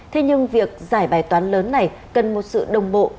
thế nhưng việc giải bài toán lớn này cần một sự đồng bộ